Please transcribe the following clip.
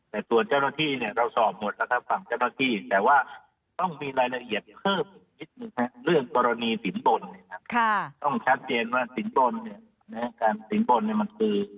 แต่ตัวเจ้าหน้าที่เนี่ยเราสอบหมดคำถามเจ้าหน้าที่